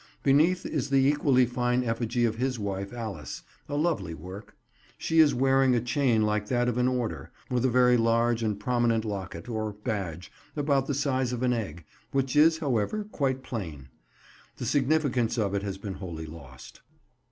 Beneath is the equally fine effigy of his wife Alice—a lovely work. She is wearing a chain like that of an Order, with a very large and prominent locket, or badge, about the size of an egg, which is, however, quite plain. The significance of it has been wholly lost.